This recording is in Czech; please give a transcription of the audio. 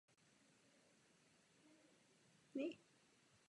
Pak Komise učiní tento krok vpřed.